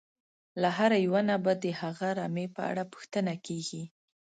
له هر یوه نه به د هغه رمې په اړه پوښتنه کېږي.